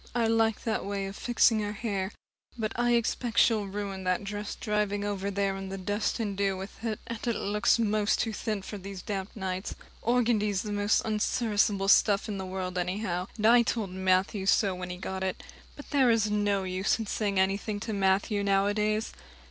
I like that way of fixing her hair. But I expect she'll ruin that dress driving over there in the dust and dew with it, and it looks most too thin for these damp nights. Organdy's the most unserviceable stuff in the world anyhow, and I told Matthew so when he got it. But there is no use in saying anything to Matthew nowadays.